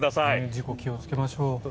事故に気をつけましょう。